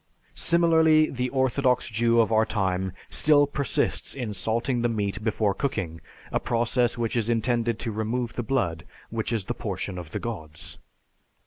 Similarly, the orthodox Jew of our time still persists in salting the meat before cooking, a process which is intended to remove the blood, which is the portion of the Gods.